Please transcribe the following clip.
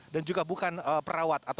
dan juga bukan penyakit